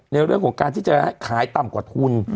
ในเรื่องของการที่จะขายต่ำกว่าทุน